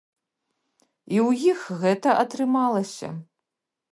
І ў іх гэта атрымалася.